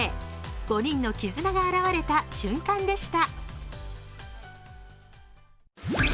５人の絆が表れた瞬間でした。